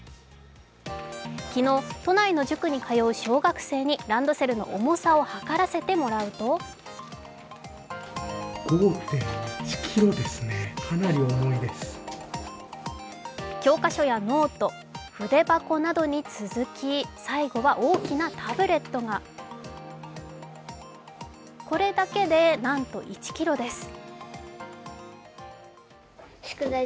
昨日、都内の塾に通う小学生にランドセルの重さを量らせてもらうと教科書やノート、筆箱などに続き、最後は大きなタブレットがこれだけで、なんと１ｋｇです。